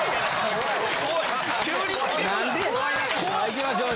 行きましょう。